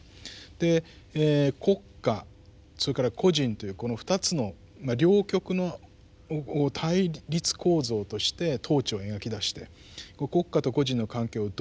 で国家それから個人というこの２つの両極を対立構造として統治を描き出して国家と個人の関係をどういうふうに組み立てるのかって